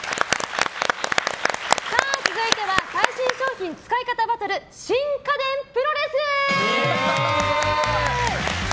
続いては最新商品使い方バトル新家電プロレス！